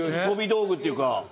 飛び道具っていうか。